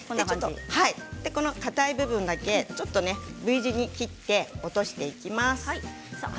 この硬い部分だけちょっとＶ字に切って落としていきます。